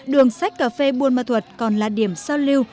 đường sách cà phê buôn ma thuật còn là điểm giao lưu